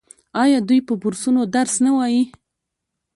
آیا دوی په بورسونو درس نه وايي؟